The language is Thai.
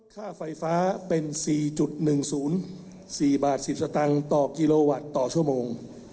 ค่าไฟฟ้าเป็น๔๑๐๔บาท๑๐สตางค์ต่อกิโลวัตต์ต่อชั่วโมง